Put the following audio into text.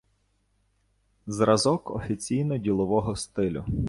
Зразок офіційно- ділового стилю